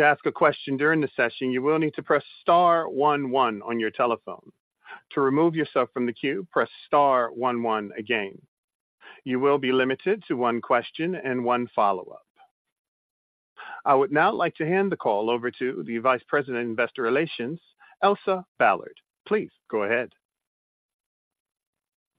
To ask a question during the session, you will need to press star one one on your telephone. To remove yourself from the queue, press star one one again. You will be limited to one question and one follow-up. I would now like to hand the call over to the Vice President, Investor Relations, Elsa Ballard. Please go ahead.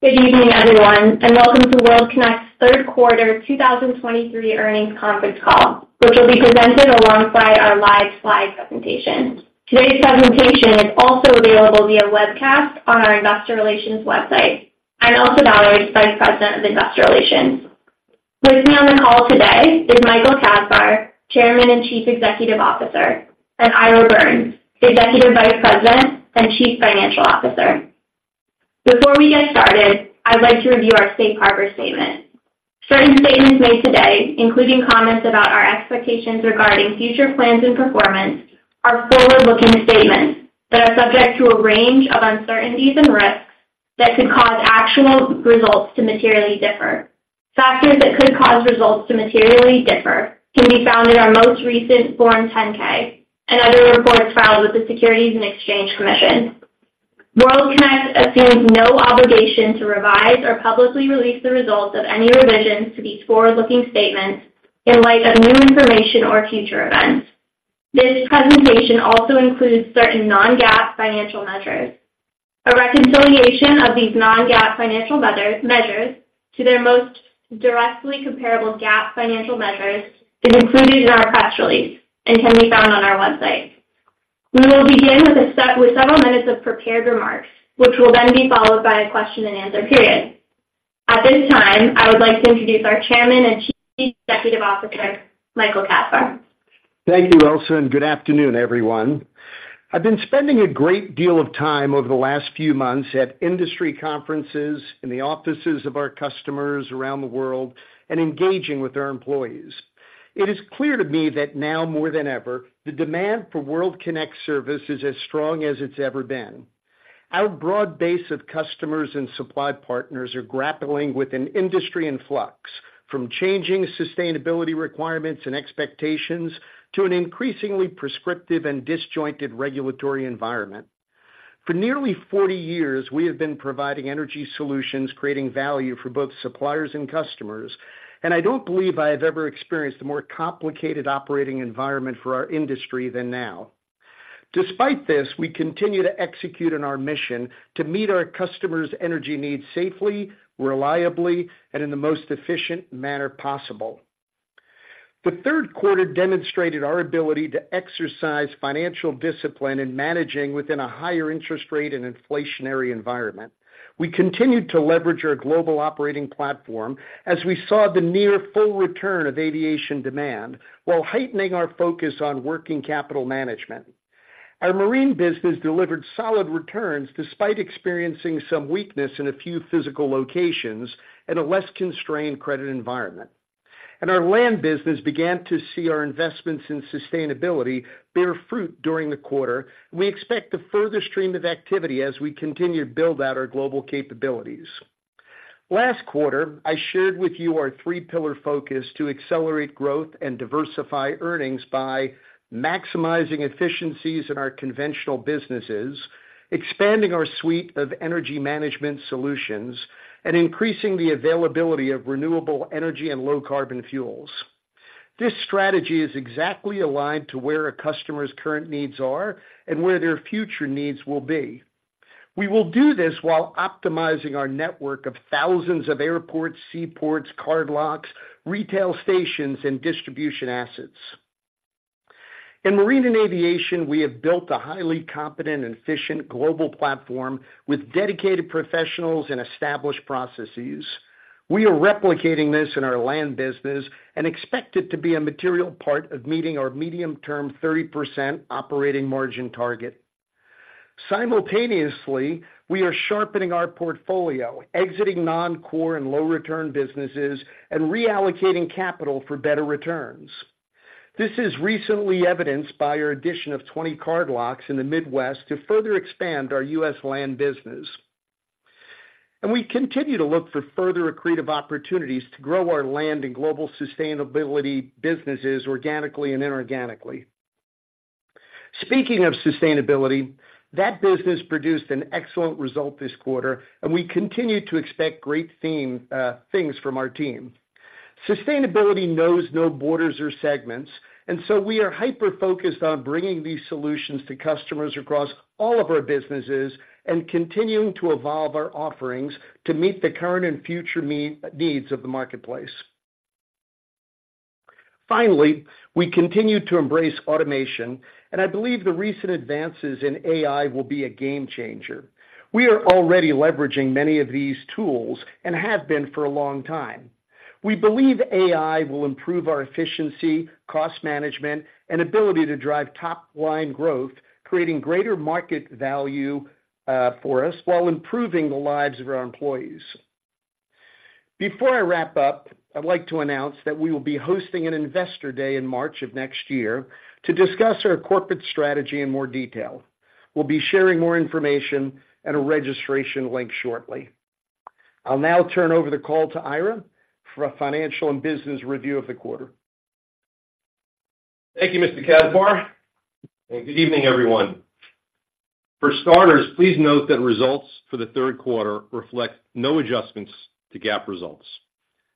Good evening, everyone, and welcome to World Kinect's third quarter 2023 earnings conference call, which will be presented alongside our live slide presentation. Today's presentation is also available via webcast on our investor relations website. I'm Elsa Ballard, Vice President of Investor Relations. With me on the call today is Michael Kasbar, Chairman and Chief Executive Officer, and Ira Birns, the Executive Vice President and Chief Financial Officer. Before we get started, I'd like to review our safe harbor statement. Certain statements made today, including comments about our expectations regarding future plans and performance, are forward-looking statements that are subject to a range of uncertainties and risks that could cause actual results to materially differ. Factors that could cause results to materially differ can be found in our most recent Form 10-K and other reports filed with the Securities and Exchange Commission. World Kinect assumes no obligation to revise or publicly release the results of any revisions to these forward-looking statements in light of new information or future events. This presentation also includes certain non-GAAP financial measures. A reconciliation of these non-GAAP financial measures to their most directly comparable GAAP financial measures is included in our press release and can be found on our website. We will begin with several minutes of prepared remarks, which will then be followed by a question-and-answer period. At this time, I would like to introduce our Chairman and Chief Executive Officer, Michael Kasbar. Thank you, Elsa, and good afternoon, everyone. I've been spending a great deal of time over the last few months at industry conferences, in the offices of our customers around the world, and engaging with our employees. It is clear to me that now, more than ever, the demand for World Kinect service is as strong as it's ever been. Our broad base of customers and supply partners are grappling with an industry in flux, from changing sustainability requirements and expectations to an increasingly prescriptive and disjointed regulatory environment. For nearly 40 years, we have been providing energy solutions, creating value for both suppliers and customers, and I don't believe I have ever experienced a more complicated operating environment for our industry than now. Despite this, we continue to execute on our mission to meet our customers' energy needs safely, reliably, and in the most efficient manner possible. The third quarter demonstrated our ability to exercise financial discipline in managing within a higher interest rate and inflationary environment. We continued to leverage our global operating platform as we saw the near full return of aviation demand, while heightening our focus on working capital management. Our marine business delivered solid returns, despite experiencing some weakness in a few physical locations and a less constrained credit environment. Our land business began to see our investments in sustainability bear fruit during the quarter. We expect a further stream of activity as we continue to build out our global capabilities. Last quarter, I shared with you our three pillar focus to accelerate growth and diversify earnings by maximizing efficiencies in our conventional businesses, expanding our suite of energy management solutions, and increasing the availability of renewable energy and low carbon fuels. This strategy is exactly aligned to where our customers' current needs are and where their future needs will be. We will do this while optimizing our network of thousands of airports, seaports, cardlocks, retail stations, and distribution assets. In marine and aviation, we have built a highly competent and efficient global platform with dedicated professionals and established processes. We are replicating this in our land business and expect it to be a material part of meeting our medium-term 30% operating margin target. Simultaneously, we are sharpening our portfolio, exiting non-core and low return businesses, and reallocating capital for better returns. This is recently evidenced by our addition of 20 cardlocks in the Midwest to further expand our U.S. land business. We continue to look for further accretive opportunities to grow our land and global sustainability businesses organically and inorganically. Speaking of sustainability, that business produced an excellent result this quarter, and we continue to expect great theme, things from our team. Sustainability knows no borders or segments, and so we are hyper-focused on bringing these solutions to customers across all of our businesses and continuing to evolve our offerings to meet the current and future need, needs of the marketplace. Finally, we continue to embrace automation, and I believe the recent advances in AI will be a game changer. We are already leveraging many of these tools and have been for a long time. We believe AI will improve our efficiency, cost management, and ability to drive top-line growth, creating greater market value, for us while improving the lives of our employees. Before I wrap up, I'd like to announce that we will be hosting an Investor Day in March of next year to discuss our corporate strategy in more detail. We'll be sharing more information and a registration link shortly. I'll now turn over the call to Ira for a financial and business review of the quarter. Thank you, Mr. Kasbar, and good evening, everyone. For starters, please note that results for the third quarter reflect no adjustments to GAAP results.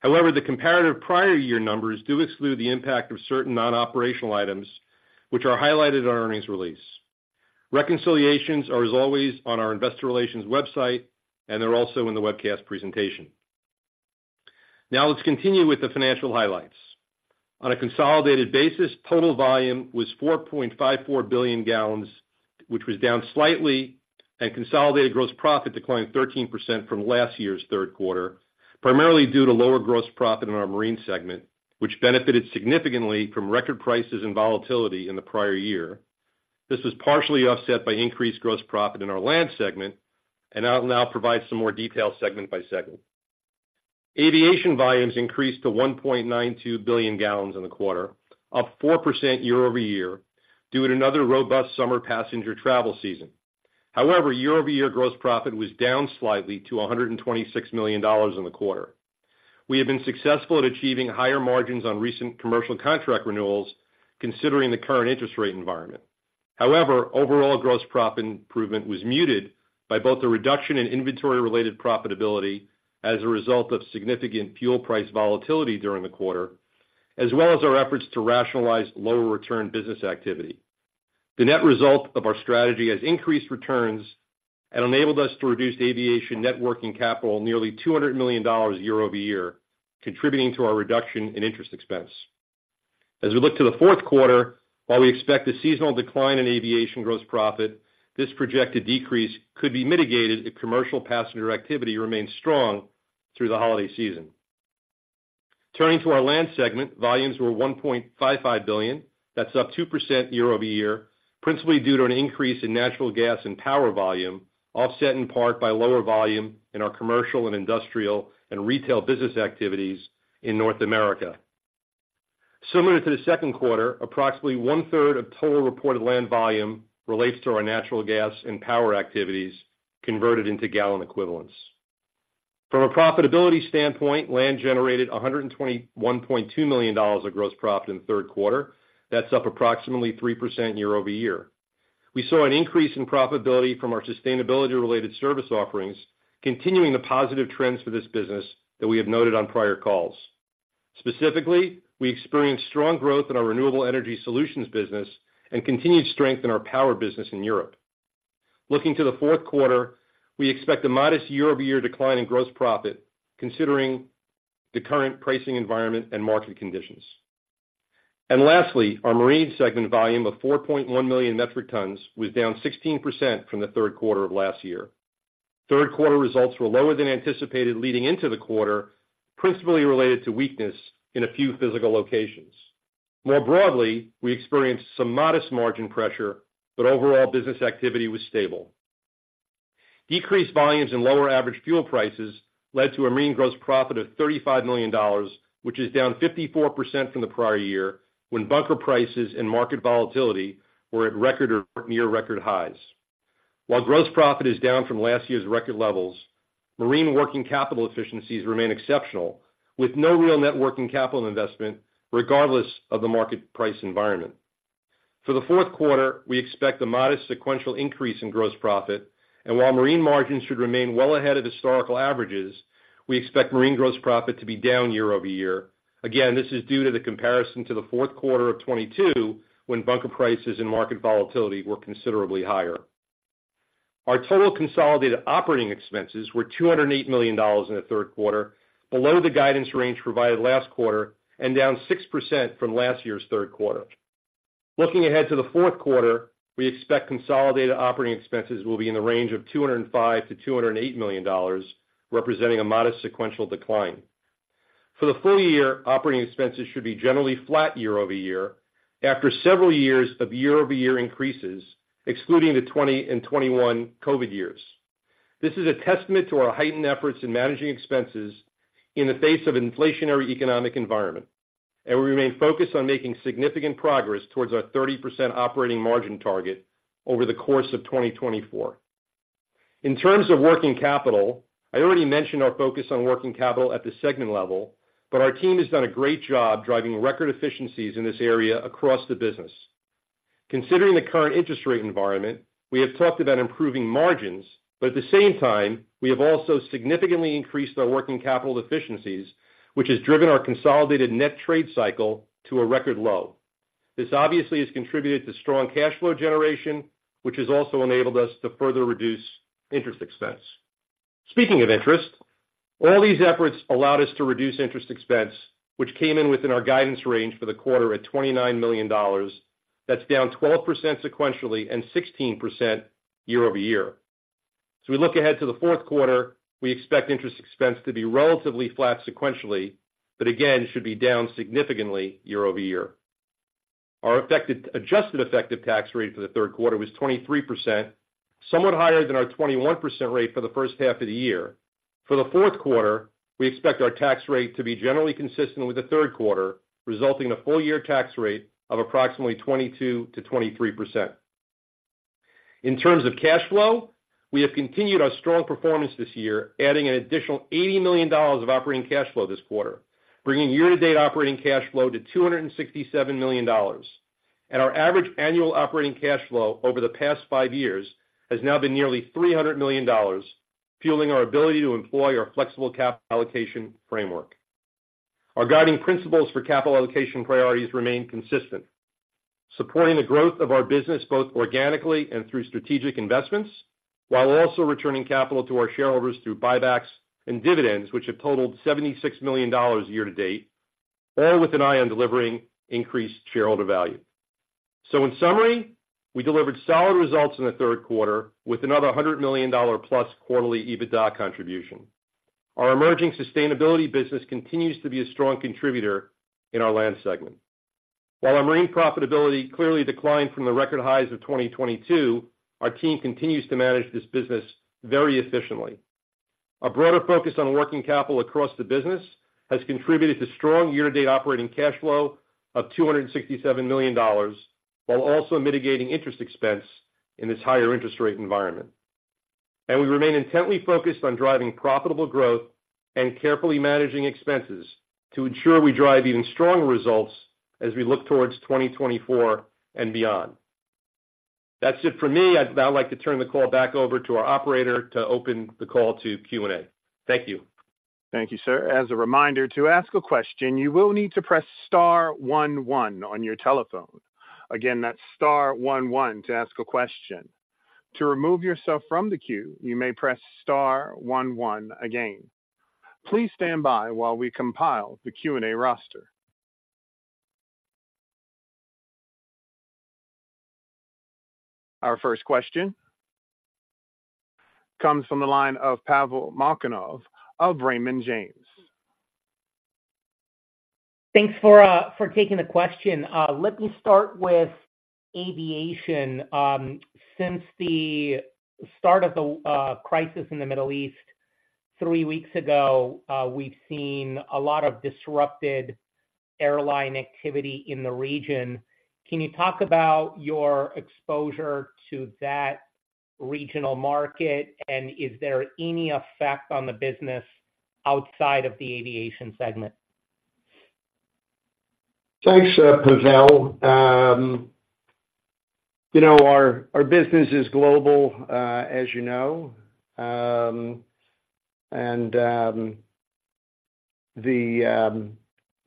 However, the comparative prior year numbers do exclude the impact of certain non-operational items, which are highlighted in our earnings release. Reconciliations are, as always, on our investor relations website, and they're also in the webcast presentation. Now, let's continue with the financial highlights. On a consolidated basis, total volume was 4.54 billion gallons, which was down slightly, and consolidated gross profit declined 13% from last year's third quarter, primarily due to lower gross profit in our marine segment, which benefited significantly from record prices and volatility in the prior year. This was partially offset by increased gross profit in our land segment, and I'll now provide some more detail segment by segment. Aviation volumes increased to 1.92 billion gallons in the quarter, up 4% year over year, due to another robust summer passenger travel season. However, year-over-year gross profit was down slightly to $126 million in the quarter. We have been successful at achieving higher margins on recent commercial contract renewals, considering the current interest rate environment. However, overall gross profit improvement was muted by both the reduction in inventory-related profitability as a result of significant fuel price volatility during the quarter, as well as our efforts to rationalize lower return business activity. The net result of our strategy has increased returns and enabled us to reduce aviation net working capital nearly $200 million year over year, contributing to our reduction in interest expense. As we look to the fourth quarter, while we expect a seasonal decline in aviation gross profit, this projected decrease could be mitigated if commercial passenger activity remains strong through the holiday season. Turning to our land segment, volumes were 1.55 billion. That's up 2% year-over-year, principally due to an increase in natural gas and power volume, offset in part by lower volume in our commercial and industrial and retail business activities in North America. Similar to the second quarter, approximately one-third of total reported land volume relates to our natural gas and power activities converted into gallon equivalents. From a profitability standpoint, land generated $121.2 million of gross profit in the third quarter. That's up approximately 3% year-over-year. We saw an increase in profitability from our sustainability-related service offerings, continuing the positive trends for this business that we have noted on prior calls. Specifically, we experienced strong growth in our renewable energy solutions business and continued strength in our power business in Europe. Looking to the fourth quarter, we expect a modest year-over-year decline in gross profit, considering the current pricing environment and market conditions. And lastly, our marine segment volume of 4.1 million metric tons was down 16% from the third quarter of last year. Third quarter results were lower than anticipated leading into the quarter, principally related to weakness in a few physical locations. More broadly, we experienced some modest margin pressure, but overall business activity was stable. Decreased volumes and lower average fuel prices led to a marine gross profit of $35 million, which is down 54% from the prior year, when bunker prices and market volatility were at record or near record highs. While gross profit is down from last year's record levels, marine working capital efficiencies remain exceptional, with no real net working capital investment, regardless of the market price environment. For the fourth quarter, we expect a modest sequential increase in gross profit, and while marine margins should remain well ahead of historical averages, we expect marine gross profit to be down year-over-year. Again, this is due to the comparison to the fourth quarter of 2022, when bunker prices and market volatility were considerably higher. Our total consolidated operating expenses were $208 million in the third quarter, below the guidance range provided last quarter and down 6% from last year's third quarter. Looking ahead to the fourth quarter, we expect consolidated operating expenses will be in the range of $205 million-$208 million, representing a modest sequential decline. For the full year, operating expenses should be generally flat year-over-year, after several years of year-over-year increases, excluding the 2020 and 2021 COVID years. This is a testament to our heightened efforts in managing expenses in the face of an inflationary economic environment, and we remain focused on making significant progress towards our 30% operating margin target over the course of 2024. In terms of working capital, I already mentioned our focus on working capital at the segment level, but our team has done a great job driving record efficiencies in this area across the business. Considering the current interest rate environment, we have talked about improving margins, but at the same time, we have also significantly increased our working capital efficiencies, which has driven our consolidated net trade cycle to a record low. This obviously has contributed to strong cash flow generation, which has also enabled us to further reduce interest expense. Speaking of interest, all these efforts allowed us to reduce interest expense, which came in within our guidance range for the quarter at $29 million. That's down 12% sequentially and 16% year-over-year. As we look ahead to the fourth quarter, we expect interest expense to be relatively flat sequentially, but again, should be down significantly year over year. Our effective, adjusted effective tax rate for the third quarter was 23%, somewhat higher than our 21% rate for the first half of the year. For the fourth quarter, we expect our tax rate to be generally consistent with the third quarter, resulting in a full year tax rate of approximately 22%-23%. In terms of cash flow, we have continued our strong performance this year, adding an additional $80 million of operating cash flow this quarter, bringing year-to-date operating cash flow to $267 million. And our average annual operating cash flow over the past five years has now been nearly $300 million, fueling our ability to employ our flexible capital allocation framework. Our guiding principles for capital allocation priorities remain consistent, supporting the growth of our business, both organically and through strategic investments, while also returning capital to our shareholders through buybacks and dividends, which have totaled $76 million year to date, all with an eye on delivering increased shareholder value. So in summary, we delivered solid results in the third quarter with another $100 million plus quarterly EBITDA contribution. Our emerging sustainability business continues to be a strong contributor in our land segment. While our marine profitability clearly declined from the record highs of 2022, our team continues to manage this business very efficiently. Our broader focus on working capital across the business has contributed to strong year-to-date operating cash flow of $267 million, while also mitigating interest expense in this higher interest rate environment. We remain intently focused on driving profitable growth and carefully managing expenses to ensure we drive even stronger results as we look towards 2024 and beyond. That's it for me. I'd now like to turn the call back over to our operator to open the call to Q&A. Thank you. Thank you, sir. As a reminder, to ask a question, you will need to press star one one on your telephone. Again, that's star one one to ask a question. To remove yourself from the queue, you may press star one one again. Please stand by while we compile the Q&A roster. Our first question comes from the line of Pavel Molchanov of Raymond James. Thanks for taking the question. Let me start with aviation. Since the start of the crisis in the Middle East three weeks ago, we've seen a lot of disrupted airline activity in the region. Can you talk about your exposure to that regional market? Is there any effect on the business outside of the aviation segment? Thanks, Pavel. You know, our business is global, as you know, and the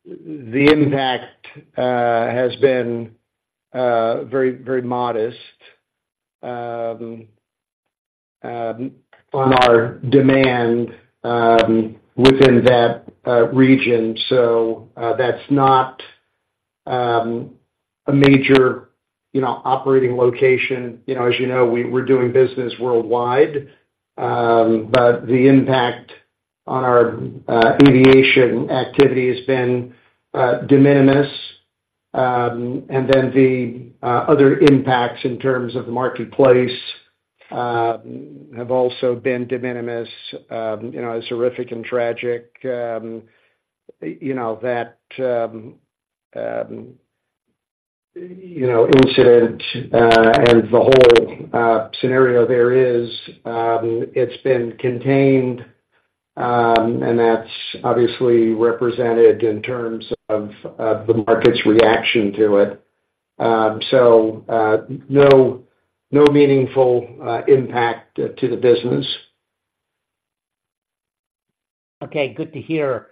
impact has been very, very modest on our demand within that region. So, that's not a major, you know, operating location. You know, as you know, we're doing business worldwide, but the impact on our aviation activity has been de minimis. And then the other impacts in terms of the marketplace have also been de minimis. You know, as horrific and tragic, you know, that, you know, incident and the whole scenario there is, it's been contained, and that's obviously represented in terms of the market's reaction to it. So, no meaningful impact to the business. Okay, good to hear.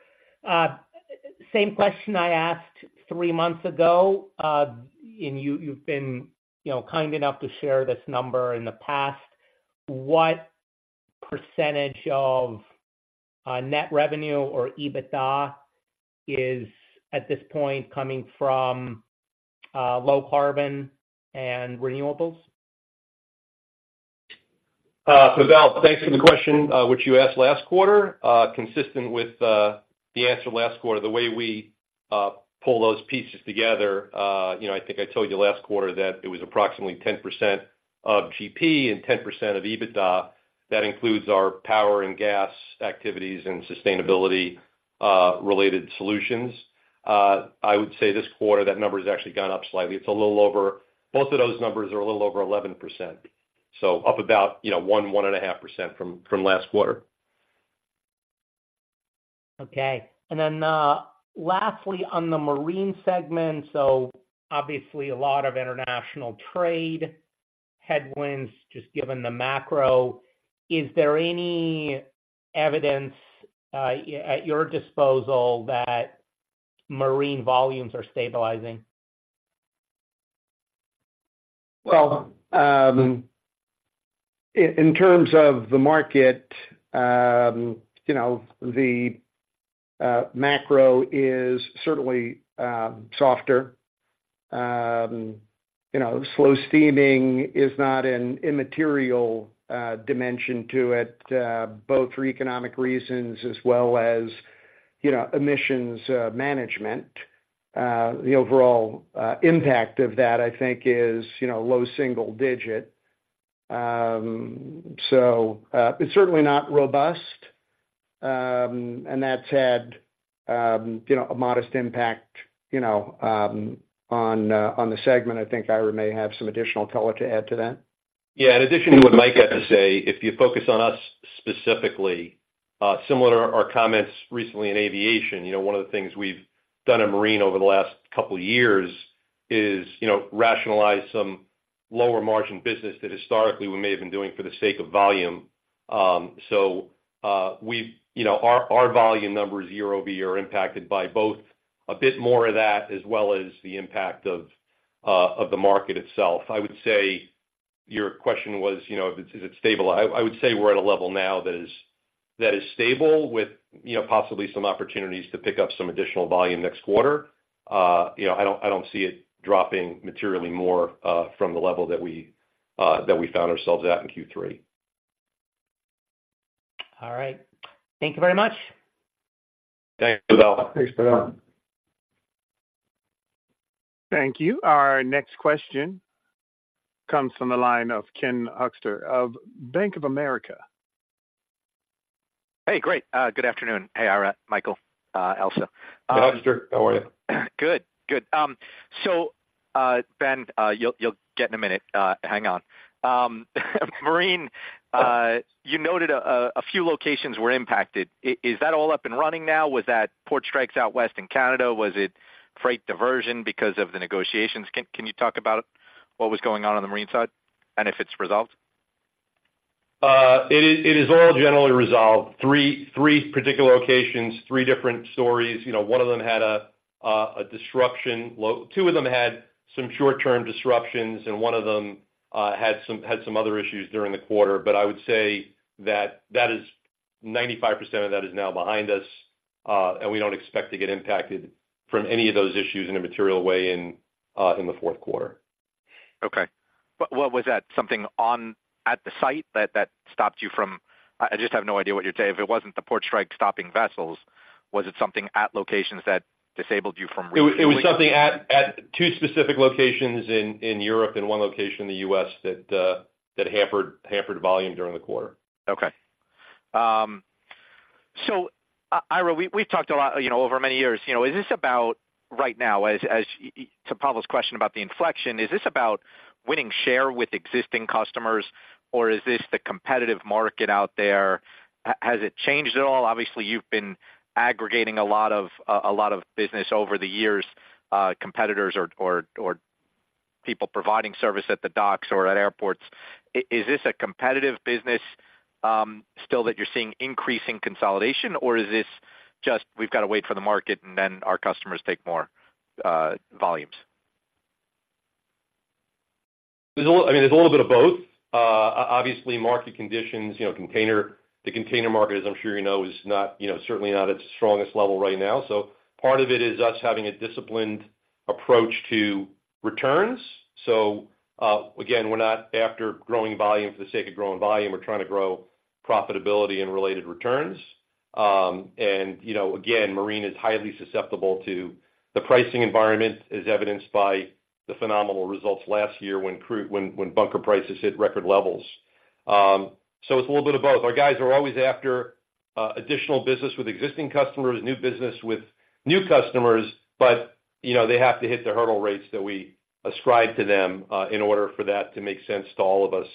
Same question I asked three months ago. You know, you've been kind enough to share this number in the past. What percentage of net revenue or EBITDA is, at this point, coming from low carbon and renewables? Pavel, thanks for the question, which you asked last quarter. Consistent with the answer last quarter, the way we pull those pieces together, you know, I think I told you last quarter that it was approximately 10% of GP and 10% of EBITDA. That includes our power and gas activities and sustainability related solutions. I would say this quarter, that number has actually gone up slightly. It's a little over... Both of those numbers are a little over 11%, so up about, you know, one to one and a half percent from last quarter. Okay. And then, lastly, on the marine segment, so obviously a lot of international trade headwinds, just given the macro. Is there any evidence at your disposal that marine volumes are stabilizing? Well, in terms of the market, you know, the macro is certainly softer. You know, slow steaming is not an immaterial dimension to it, both for economic reasons as well as, you know, emissions management. The overall impact of that, I think, is, you know, low single digit. It's certainly not robust... and that's had, you know, a modest impact, you know, on the segment. I think Ira may have some additional color to add to that. Yeah, in addition to what Mike had to say, if you focus on us specifically, similar to our comments recently in aviation, you know, one of the things we've done in marine over the last couple of years is, you know, rationalize some lower margin business that historically we may have been doing for the sake of volume. So, we've you know, our volume numbers year-over-year are impacted by both a bit more of that as well as the impact of the market itself. I would say your question was, you know, if it's stable? I would say we're at a level now that is stable with, you know, possibly some opportunities to pick up some additional volume next quarter. You know, I don't see it dropping materially more from the level that we found ourselves at in Q3. All right. Thank you very much. Thanks, Pavel. Thanks, Pavel. Thank you. Our next question comes from the line of Ken Hoexter of Bank of America. Hey, great. Good afternoon. Hey, Ira, Michael, Elsa. Hoexter, how are you? Good, good. So, Ben, you'll get in a minute. Hang on. Marine, you noted a few locations were impacted. Is that all up and running now? Was that port strikes out west in Canada? Was it freight diversion because of the negotiations? Can you talk about what was going on on the Marine side and if it's resolved? It is, it is all generally resolved. Three particular locations, three different stories. You know, one of them had a disruption, two of them had some short-term disruptions, and one of them had some other issues during the quarter. But I would say that that is 95% of that is now behind us, and we don't expect to get impacted from any of those issues in a material way in the fourth quarter. Okay. But what was that? Something on, at the site that stopped you from... I just have no idea what you're saying. If it wasn't the port strike stopping vessels, was it something at locations that disabled you from- It was something at two specific locations in Europe and one location in the US that hampered volume during the quarter. Okay. So Ira, we've talked a lot, you know, over many years. You know, is this about right now, as to Pavel's question about the inflection, is this about winning share with existing customers, or is this the competitive market out there? Has it changed at all? Obviously, you've been aggregating a lot of business over the years, competitors or people providing service at the docks or at airports. Is this a competitive business still that you're seeing increasing consolidation, or is this just, "We've got to wait for the market, and then our customers take more volumes? There's a little, I mean, there's a little bit of both. Obviously, market conditions, you know, container—the container market, as I'm sure you know, is not, you know, certainly not at its strongest level right now. So part of it is us having a disciplined approach to returns. So, again, we're not after growing volume for the sake of growing volume. We're trying to grow profitability and related returns. And, you know, again, Marine is highly susceptible to the pricing environment, as evidenced by the phenomenal results last year when bunker prices hit record levels. So it's a little bit of both. Our guys are always after additional business with existing customers, new business with new customers, but, you know, they have to hit the hurdle rates that we ascribe to them in order for that to make sense to all of us.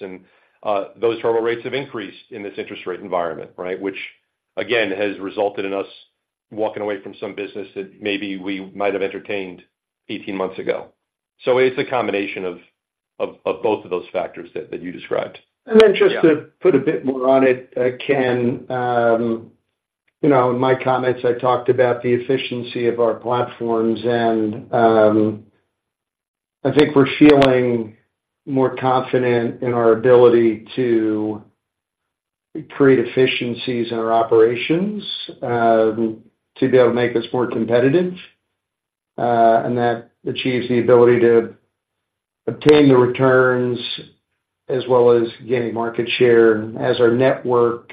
Those hurdle rates have increased in this interest rate environment, right? Which, again, has resulted in us walking away from some business that maybe we might have entertained 18 months ago. So it's a combination of both of those factors that you described. And then just to put a bit more on it, Ken, you know, in my comments, I talked about the efficiency of our platforms, and I think we're feeling more confident in our ability to create efficiencies in our operations, to be able to make us more competitive, and that achieves the ability to obtain the returns as well as gaining market share. As our network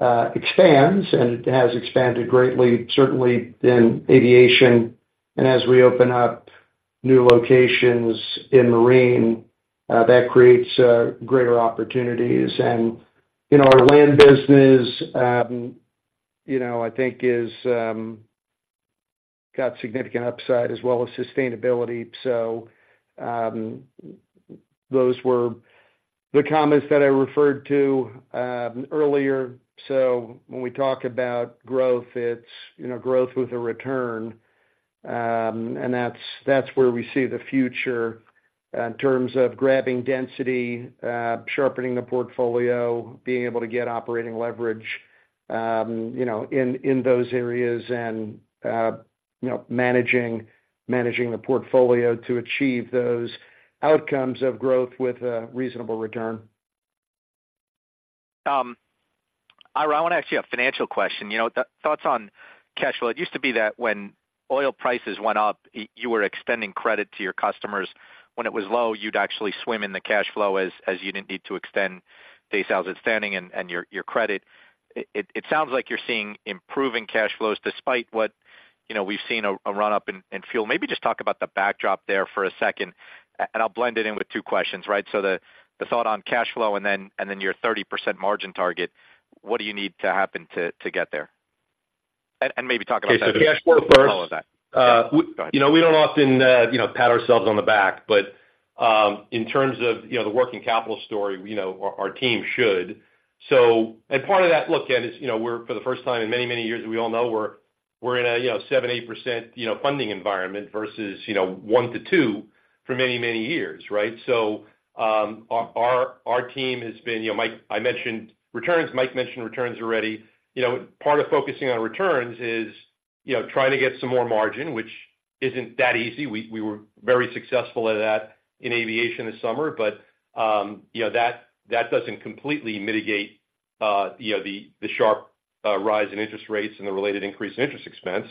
expands, and it has expanded greatly, certainly in aviation, and as we open up new locations in marine, that creates greater opportunities. And, you know, our land business, you know, I think is got significant upside as well as sustainability. So, those were the comments that I referred to, earlier. So when we talk about growth, it's, you know, growth with a return, and that's where we see the future in terms of grabbing density, sharpening the portfolio, being able to get operating leverage, you know, in those areas, and, you know, managing the portfolio to achieve those outcomes of growth with a reasonable return. Ira, I want to ask you a financial question. You know, thoughts on cash flow. It used to be that when oil prices went up, you were extending credit to your customers. When it was low, you'd actually swim in the cash flow as you didn't need to extend days sales outstanding and your credit. It sounds like you're seeing improving cash flows despite what, you know, we've seen a run-up in fuel. Maybe just talk about the backdrop there for a second, and I'll blend it in with two questions, right? So the thought on cash flow and then your 30% margin target, what do you need to happen to get there? And maybe talk about- The cash flow first. Follow that. Go ahead. You know, we don't often, you know, pat ourselves on the back, but, in terms of, you know, the working capital story, you know, our, our team should. Part of that look, Ken, is, you know, we're for the first time in many, many years, we all know we're, we're in a, you know, 7-8% funding environment versus, you know, 1-2% for many, many years, right? Our, our, our team has been, you know, Mike, I mentioned returns. Mike mentioned returns already. You know, part of focusing on returns is, you know, trying to get some more margin, which isn't that easy. We were very successful at that in aviation this summer, but you know, that doesn't completely mitigate you know the sharp rise in interest rates and the related increase in interest expense.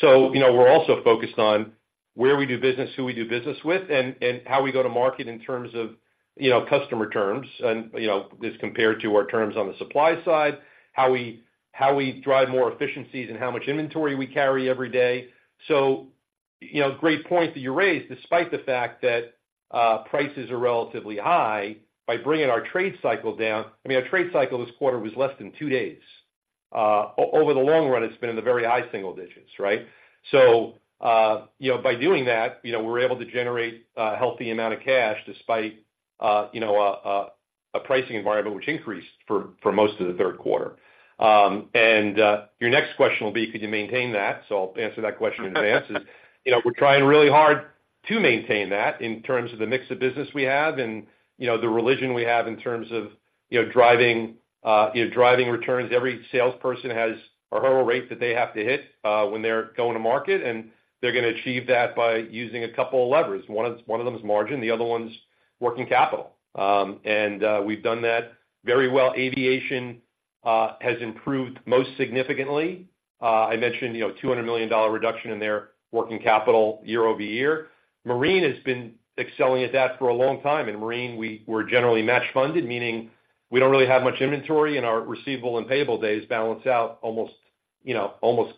So you know, we're also focused on where we do business, who we do business with, and how we go to market in terms of you know, customer terms and you know, as compared to our terms on the supply side. How we drive more efficiencies and how much inventory we carry every day. So you know, great point that you raised, despite the fact that prices are relatively high by bringing our trade cycle down. I mean, our trade cycle this quarter was less than two days. Over the long run, it's been in the very high single digits, right? So, you know, by doing that, you know, we're able to generate a healthy amount of cash despite, you know, a pricing environment which increased for most of the third quarter. Your next question will be: Could you maintain that? So I'll answer that question in advance. You know, we're trying really hard to maintain that in terms of the mix of business we have and, you know, the religion we have in terms of, you know, driving returns. Every salesperson has a hurdle rate that they have to hit when they're going to market, and they're gonna achieve that by using a couple of levers. One of them is margin, the other one's working capital. We've done that very well. Aviation has improved most significantly. I mentioned, you know, $200 million reduction in their working capital year-over-year. Marine has been excelling at that for a long time, and Marine, we're generally match funded, meaning we don't really have much inventory, and our receivable and payable days balance out almost, you know, almost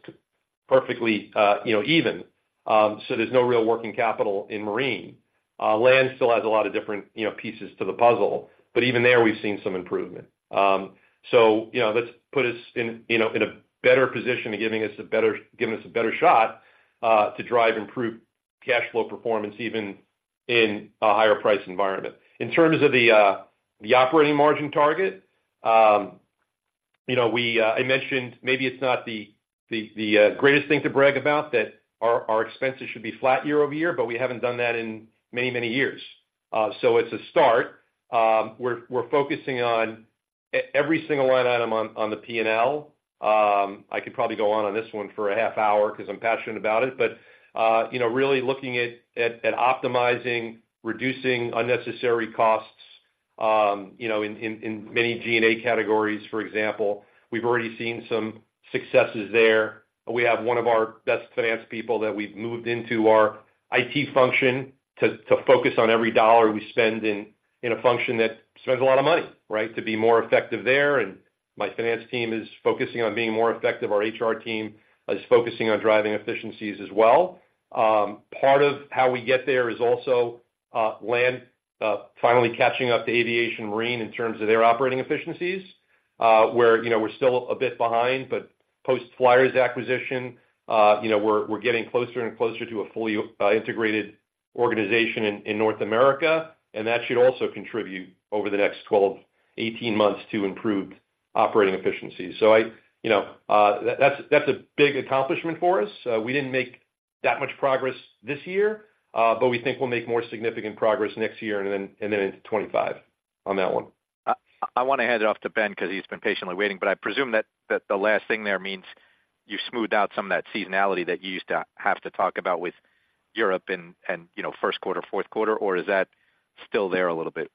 perfectly, you know, even. So there's no real working capital in Marine. Land still has a lot of different, you know, pieces to the puzzle, but even there, we've seen some improvement. So, you know, that's put us in, you know, in a better position to giving us a better shot to drive improved cash flow performance, even in a higher price environment. In terms of the, the operating margin target, you know, we... I mentioned maybe it's not the greatest thing to brag about that our expenses should be flat year-over-year, but we haven't done that in many, many years. So it's a start. We're focusing on every single line item on the P&L. I could probably go on this one for a half hour because I'm passionate about it, but you know, really looking at optimizing, reducing unnecessary costs, you know, in many G&A categories, for example, we've already seen some successes there. We have one of our best finance people that we've moved into our IT function to focus on every dollar we spend in a function that spends a lot of money, right? To be more effective there, and my finance team is focusing on being more effective. Our HR team is focusing on driving efficiencies as well. Part of how we get there is also Land, finally catching up to Aviation and Marine in terms of their operating efficiencies, where, you know, we're still a bit behind, but post Flyers acquisition, you know, we're getting closer and closer to a fully integrated organization in North America, and that should also contribute over the next 12-18 months to improved operating efficiencies. I, you know, that's a big accomplishment for us. We didn't make that much progress this year, but we think we'll make more significant progress next year and then into 2025 on that one. I wanna hand it off to Ben because he's been patiently waiting, but I presume that the last thing there means you smoothed out some of that seasonality that you used to have to talk about with Europe and, you know, first quarter, fourth quarter, or is that still there a little bit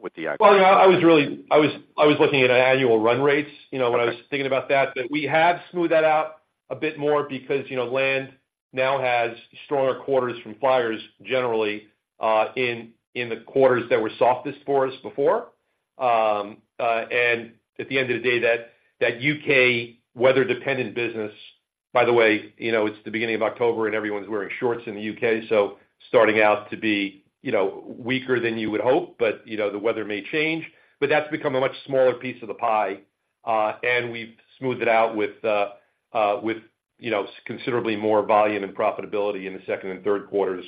with the acquisition? Well, you know, I was really—I was, I was looking at annual run rates, you know, when I was thinking about that. We have smoothed that out a bit more because, you know, Land now has stronger quarters from Flyers generally in the quarters that were softest for us before. At the end of the day, that U.K. weather-dependent business, by the way, you know, it's the beginning of October and everyone's wearing shorts in the U.K., so starting out to be, you know, weaker than you would hope, but, you know, the weather may change. That's become a much smaller piece of the pie, and we've smoothed it out with, you know, considerably more volume and profitability in the second and third quarters,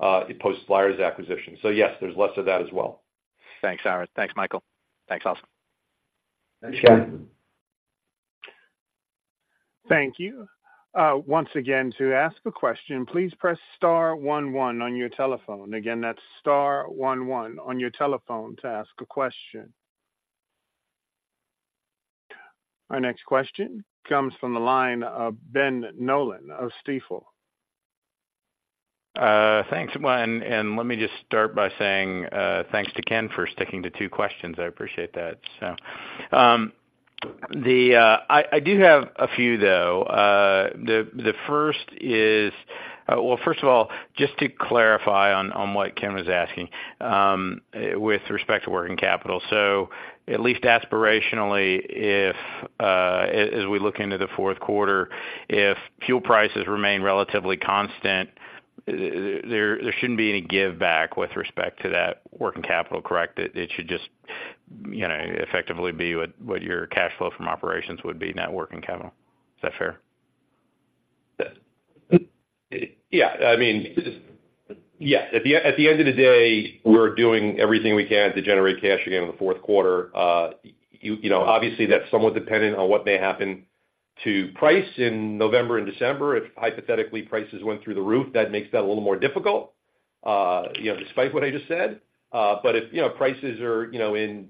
post Flyers acquisition. Yes, there's less of that as well. Thanks, Ira. Thanks, Michael. Thanks, Austin. Thanks, Ken. Thank you. Once again, to ask a question, please press star one, one on your telephone. Again, that's star one, one on your telephone to ask a question. Our next question comes from the line of Ben Nolan of Stifel. Thanks. Well, and let me just start by saying, thanks to Ken for sticking to two questions. I appreciate that. So, I do have a few, though. The first is, well, first of all, just to clarify on what Ken was asking, with respect to working capital. So at least aspirationally, if as we look into the fourth quarter, if fuel prices remain relatively constant, there shouldn't be any giveback with respect to that working capital, correct? It should just... you know, effectively be what your cash flow from operations would be, net working capital. Is that fair? Yeah, I mean, yeah. At the end of the day, we're doing everything we can to generate cash again in the fourth quarter. You know, obviously, that's somewhat dependent on what may happen to price in November and December. If hypothetically, prices went through the roof, that makes that a little more difficult, you know, despite what I just said. If, you know, prices are, you know, in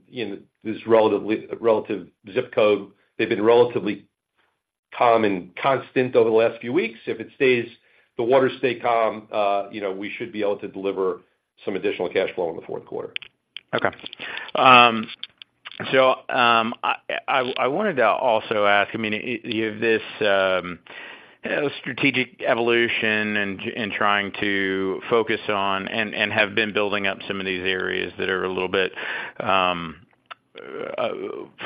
this relatively—relative ZIP code, they've been relatively calm and constant over the last few weeks. If it stays, the waters stay calm, you know, we should be able to deliver some additional cash flow in the fourth quarter. Okay. I wanted to also ask, I mean, you have this, you know, strategic evolution and trying to focus on, and have been building up some of these areas that are a little bit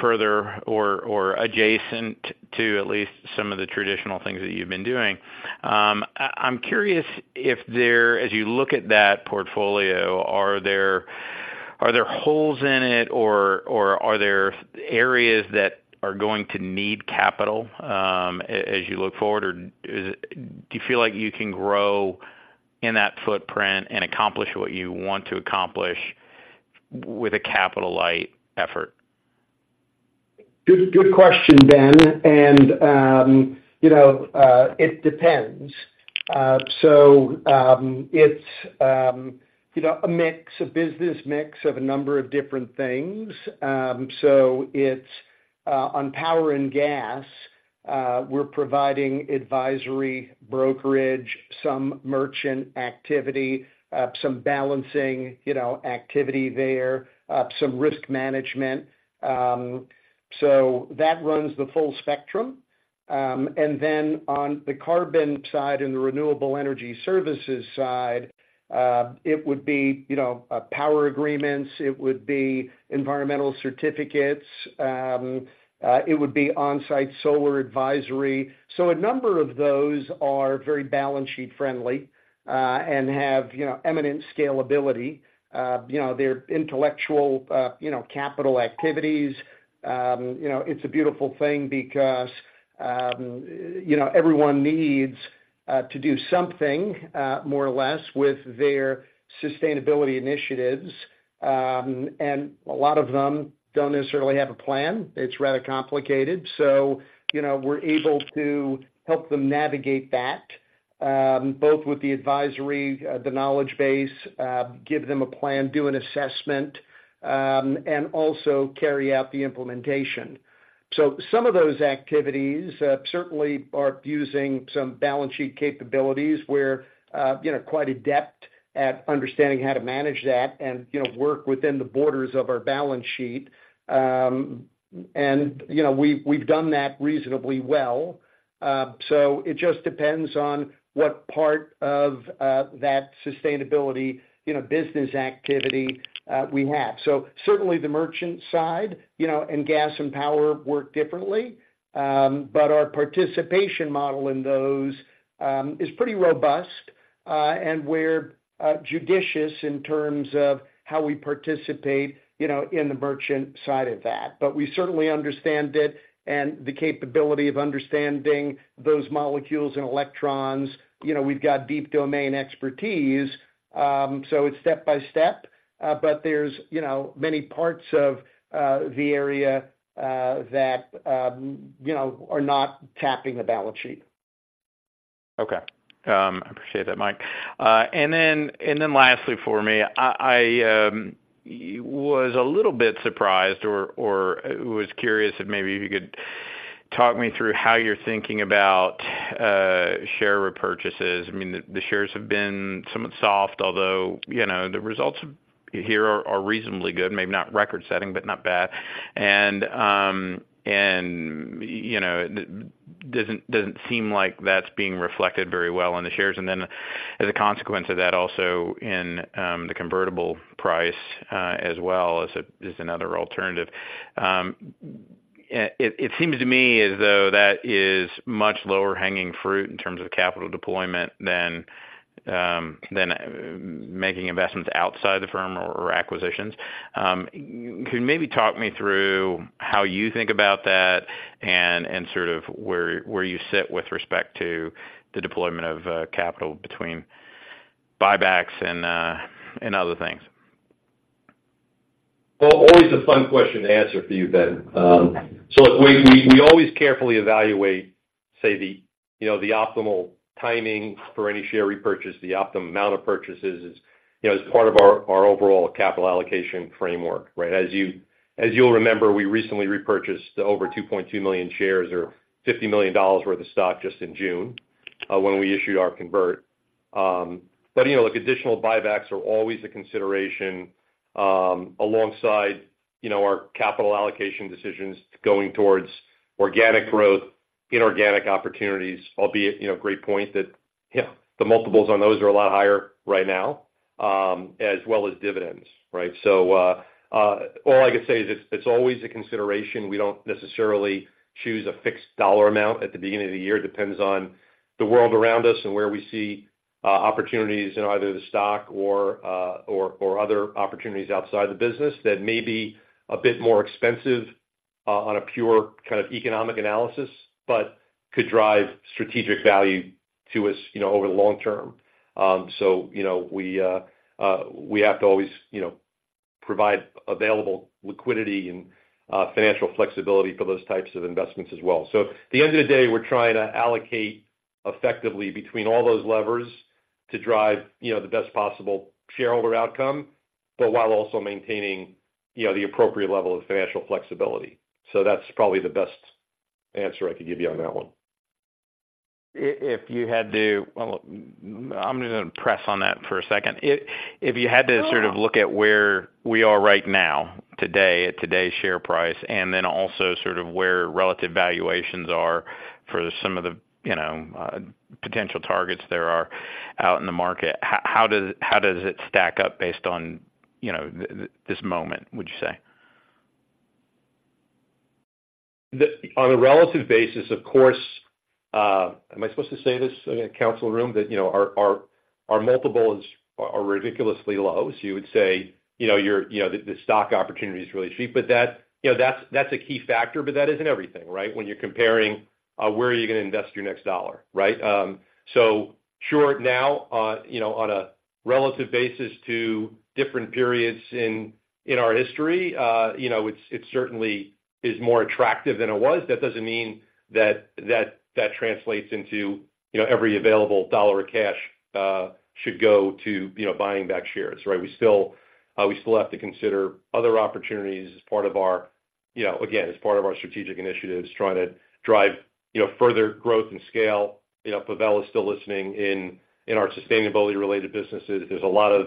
further or adjacent to at least some of the traditional things that you've been doing. I’m curious if there—as you look at that portfolio, are there, are there holes in it or are there areas that are going to need capital as you look forward? Or do you feel like you can grow in that footprint and accomplish what you want to accomplish with a capital light effort? Good, good question, Ben. And, you know, it depends. So, it's, you know, a mix, a business mix of a number of different things. So it's, on power and gas, we're providing advisory, brokerage, some merchant activity, some balancing, you know, activity there, some risk management. So that runs the full spectrum. And then on the carbon side and the renewable energy services side, it would be, you know, power agreements, it would be environmental certificates, it would be on-site solar advisory. So a number of those are very balance sheet friendly, and have, you know, eminent scalability. You know, they're intellectual, you know, capital activities. You know, it's a beautiful thing because, you know, everyone needs, to do something, more or less with their sustainability initiatives. And a lot of them don't necessarily have a plan. It's rather complicated. So, you know, we're able to help them navigate that, both with the advisory, the knowledge base, give them a plan, do an assessment, and also carry out the implementation. So some of those activities, certainly are using some balance sheet capabilities where, you know, quite adept at understanding how to manage that and, you know, work within the borders of our balance sheet. And, you know, we've done that reasonably well. So it just depends on what part of, that sustainability, you know, business activity, we have. So certainly the merchant side, you know, and gas and power work differently, but our participation model in those is pretty robust, and we're judicious in terms of how we participate, you know, in the merchant side of that. But we certainly understand it and the capability of understanding those molecules and electrons. You know, we've got deep domain expertise, so it's step by step, but there's, you know, many parts of the area that, you know, are not tapping the balance sheet. Okay. I appreciate that, Mike. And then lastly for me, I was a little bit surprised or was curious if maybe you could talk me through how you're thinking about share repurchases. I mean, the shares have been somewhat soft, although, you know, the results here are reasonably good. Maybe not record-setting, but not bad. And, you know, doesn't seem like that's being reflected very well on the shares. Then as a consequence of that, also in the convertible price as well, as another alternative. It seems to me as though that is much lower hanging fruit in terms of capital deployment than making investments outside the firm or acquisitions. Can you maybe talk me through how you think about that and sort of where you sit with respect to the deployment of capital between buybacks and other things? Well, always a fun question to answer for you, Ben. So look, we always carefully evaluate, say the, you know, the optimal timing for any share repurchase, the optimum amount of purchases, as, you know, as part of our overall capital allocation framework, right? As you'll remember, we recently repurchased over 2.2 million shares or $50 million worth of stock just in June, when we issued our convert. But, you know, look, additional buybacks are always a consideration, alongside, you know, our capital allocation decisions going towards organic growth, inorganic opportunities, albeit, you know, great point that, yeah, the multiples on those are a lot higher right now, as well as dividends, right? So, all I can say is it's always a consideration. We don't necessarily choose a fixed dollar amount at the beginning of the year. It depends on the world around us and where we see opportunities in either the stock or, or other opportunities outside the business that may be a bit more expensive, on a pure kind of economic analysis, but could drive strategic value to us, you know, over the long term. So, you know, we have to always, you know, provide available liquidity and financial flexibility for those types of investments as well. So at the end of the day, we're trying to allocate effectively between all those levers to drive, you know, the best possible shareholder outcome, but while also maintaining, you know, the appropriate level of financial flexibility. So that's probably the best answer I could give you on that one. If you had to-- Well, I'm gonna press on that for a second. If you had to sort of look at where we are right now, today, at today's share price, and then also sort of where relative valuations are for some of the, you know, potential targets there are out in the market, how does, how does it stack up based on, you know, this moment, would you say? On a relative basis, of course, am I supposed to say this, in a council room? That, you know, our multiples are ridiculously low. So you would say, you know, your, you know, the stock opportunity is really cheap, but that, you know, that's a key factor, but that isn't everything, right? When you're comparing, where are you gonna invest your next dollar, right? So sure, now, you know, on a relative basis to different periods in our history, you know, it's certainly more attractive than it was. That doesn't mean that translates into, you know, every available dollar of cash should go to, you know, buying back shares, right? We still, we still have to consider other opportunities as part of our, you know, again, as part of our strategic initiatives, trying to drive, you know, further growth and scale. You know, Pavel is still listening in, in our sustainability-related businesses. There's a lot of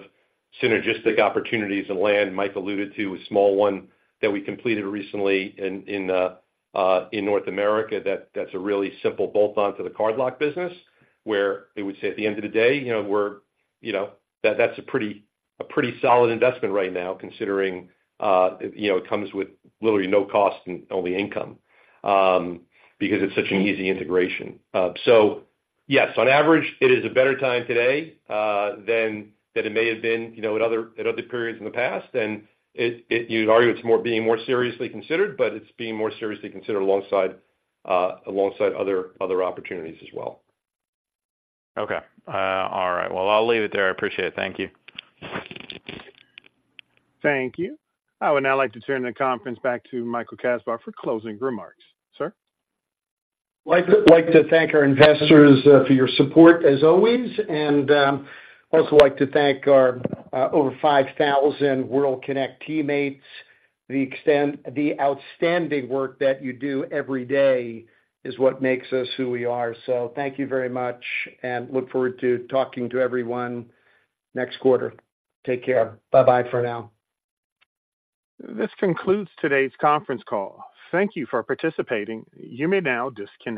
synergistic opportunities in Land. Mike alluded to a small one that we completed recently in, in North America, that's a really simple bolt-on to the cardlock business, where I would say at the end of the day, you know, we're, you know, that's a pretty, a pretty solid investment right now, considering, you know, it comes with literally no cost and only income, because it's such an easy integration. Yes, on average, it is a better time today than it may have been, you know, at other periods in the past, and it, it—you'd argue it's more being more seriously considered, but it's being more seriously considered alongside, you know, alongside other, other opportunities as well. Okay. All right. Well, I'll leave it there. I appreciate it. Thank you. Thank you. I would now like to turn the conference back to Michael Kasbar for closing remarks. Sir? Like to thank our investors for your support, as always, and also like to thank our over 5,000 World Kinect teammates. The outstanding work that you do every day is what makes us who we are. So thank you very much, and look forward to talking to everyone next quarter. Take care. Bye-bye for now. This concludes today's conference call. Thank you for participating. You may now disconnect.